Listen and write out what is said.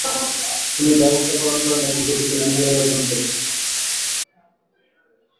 তিনি দায়িত্ব পালন করেন এবং দুটোতেই বিজয় অর্জন করেন।